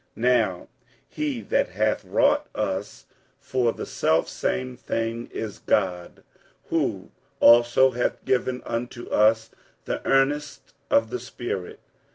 47:005:005 Now he that hath wrought us for the selfsame thing is God, who also hath given unto us the earnest of the Spirit.